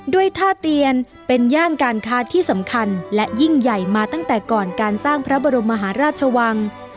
ด้วยท่าเตียนเป็นย่านการค้าที่สำคัญและยิ่งใหญ่มาตั้งแต่ก่อนการสร้างพระบรมมหาราชวัง